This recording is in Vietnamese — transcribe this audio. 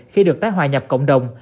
khi được tái hòa nhập cộng đồng